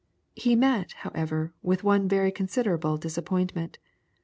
He met, however, with one very considerable disappointment.